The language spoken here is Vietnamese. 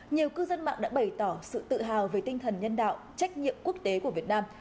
nhiều cư dân mạng đã bày tỏ sự tự hào về tinh thần nhân đạo trách nhiệm quốc tế của việt nam